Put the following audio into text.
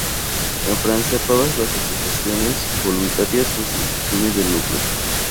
En Francia, todas las asociaciones voluntarias son sin fines de lucro.